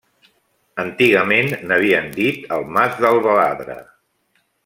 Antigament n'havien dit el Mas del Baladre.